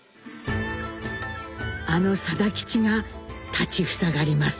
あの定吉が立ちふさがります。